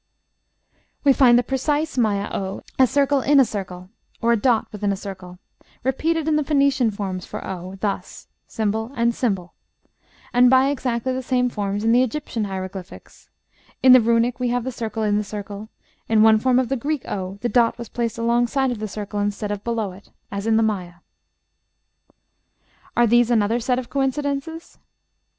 We find the precise Maya o a circle in a circle, or a dot within a circle, repeated in the Phoenician forms for o, thus, ### and ###, and by exactly the same forms in the Egyptian hieroglyphics; in the Runic we have the circle in the circle; in one form of the Greek o the dot was placed along side of the circle instead of below it, as in the Maya. Are these another set of coincidences?